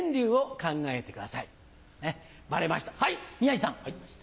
はい宮治さん。